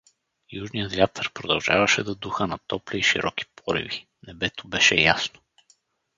Южният вятър продължаваше да духа на топли и широки пориви, небето беше ясно.